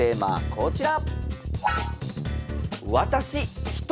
こちら。